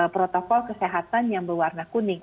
protokol kesehatan yang berwarna kuning